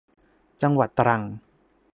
จังหวัดตรัง